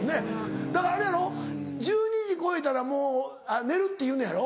だからあれやろ１２時越えたらもう寝るって言うのやろ？